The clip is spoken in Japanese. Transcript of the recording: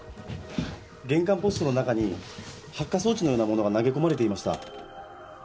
玄関ポストの中に発火装置のようなものが投げ込まれていました。